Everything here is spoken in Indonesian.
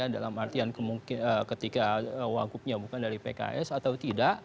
dalam artian ketika wangkupnya bukan dari pks atau tidak